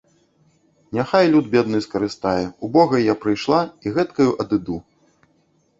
Няхай люд бедны скарыстае, убогай я прыйшла і гэткаю адыду!